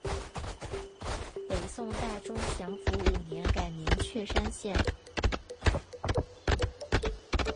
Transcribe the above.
北宋大中祥符五年改名确山县。